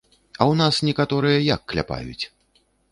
А ў нас некаторыя як кляпаюць?